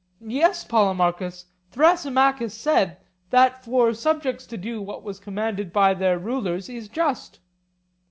Yes, Polemarchus,—Thrasymachus said that for subjects to do what was commanded by their rulers is just.